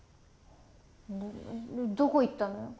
でどこ行ったの？